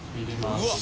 うわっ！